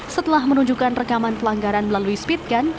setelah menunjukkan rekaman pelanggaran melalui speed gun